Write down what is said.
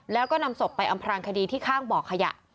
แล้วก็นำศพไปอำพรางคดีที่ข้างบ่อขยะ